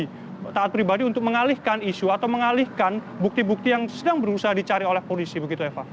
mifta apakah itu hanya alibi taat pribadi untuk mengalihkan isu atau mengalihkan bukti bukti yang sedang berusaha dicari oleh polisi begitu eva